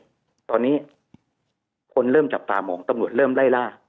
ตอนนี้คนเริ่มจับตามองตำรวจเริ่มไล่ล่า